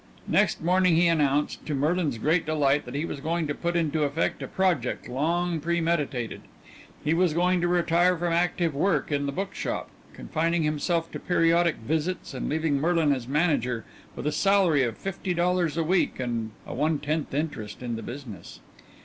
Next morning he announced, to Merlin's great delight, that he was going to put into effect a project long premeditated he was going to retire from active work in the bookshop, confining himself to periodic visits and leaving Merlin as manager with a salary of fifty dollars a week and a one tenth interest in the business.